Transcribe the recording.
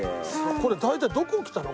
これ大体どこへ来たの？